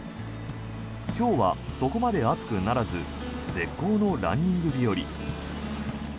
今日はそこまで暑くならず絶好のランニング日和。